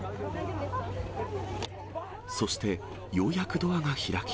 そしてようやくドアが開き。